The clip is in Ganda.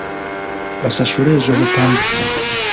Basasule ez'obupangisa.